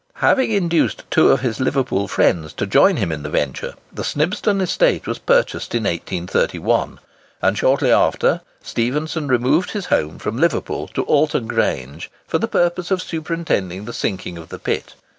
Having induced two of his Liverpool friends to join him in the venture, the Snibston estate was purchased in 1831: and shortly after, Stephenson removed his home from Liverpool to Alton Grange, for the purpose of superintending the sinking of the pit.